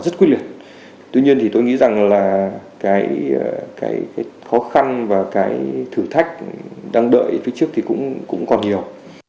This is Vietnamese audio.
tuy nhiên tôi nghĩ rằng là cái khó khăn và cái thử thách đang đợi phía trước thì cũng còn nhiều